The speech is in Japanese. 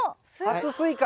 初スイカ。